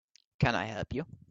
Can I help you?